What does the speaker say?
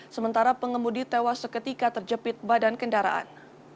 sementara pengemudi tewas seketika terjepit badan kendaraan